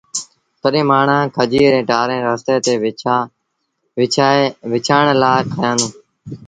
تڏهيݩٚ مآڻهآنٚ کجيٚ رينٚ ٽآرينٚ رستي تي وڇآڻ لآ کيآندوݩ